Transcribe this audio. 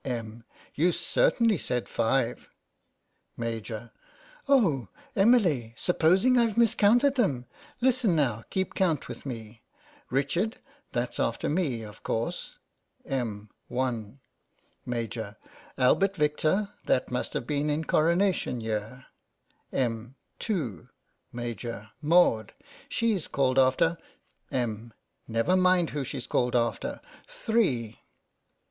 Em. : You certainly said five. Maj.: Oh, Emily, supposing I've mis counted them ! Listen now, keep count with me. Richard — that's after me, of course, Em, : One. Maj\ : Albert Victor — that must have been in Coronation year. Em. : Two ! Maj. : Maud. She's called after Em. : Never mind who's she's called after. Three